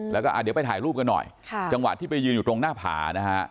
แล้วก็เดี๋ยวไปถ่ายรูปกันหน่อยจังหวะที่ไปยืนอยู่ตรงหน้าผานะฮะ